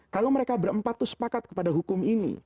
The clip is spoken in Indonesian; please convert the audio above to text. kalau mereka berempatus pakat kepada hukum ini